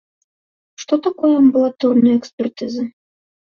Што такое амбулаторная экспертыза?